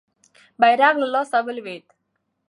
بیرغ له لاسه ولوېد.